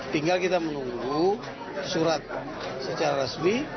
tinggal kita menunggu surat secara resmi